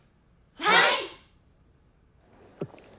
はい！